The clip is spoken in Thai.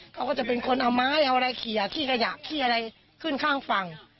เขาก็จะเป็นคนเอาไม้เอาอะไรเขียขี้ขยะขี้อะไรขึ้นข้างฝั่ง